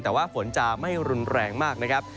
แต่ว่าฝนจะไม่รุนแรงมากนะครับ